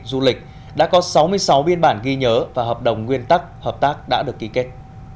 du lịch đã có sáu mươi sáu biên bản ghi nhớ và hợp đồng nguyên tắc hợp tác đã được ký kết